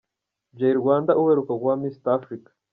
Jay Rwanda uheruka kuba Mister Africa